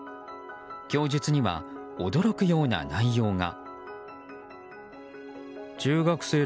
供述には驚くような内容が。